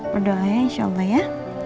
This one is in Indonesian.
berdoa ya insya allah ya